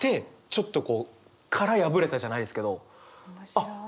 ちょっとこう殻破れたじゃないですけどあっ